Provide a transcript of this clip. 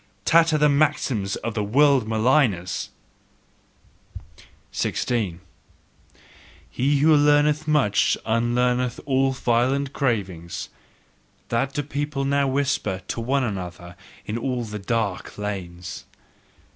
Tatter the maxims of the world maligners! 16. "He who learneth much unlearneth all violent cravings" that do people now whisper to one another in all the dark lanes.